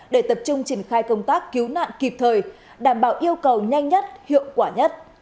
để tập trung triển khai công tác cứu nạn kịp thời đảm bảo yêu cầu nhanh nhất hiệu quả nhất